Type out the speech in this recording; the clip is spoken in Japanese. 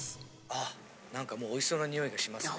あっ何かもうおいしそうな匂いがしますね。